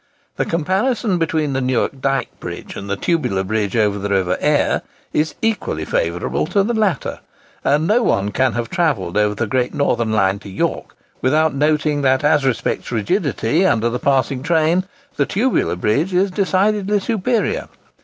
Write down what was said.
The comparison between the Newark Dyke Bridge and the Tubular Bridge over the river Aire is equally favourable to the latter; and no one can have travelled over the Great Northern line to York without noting that, as respects rigidity under the passing train, the Tubular Bridge is decidedly superior.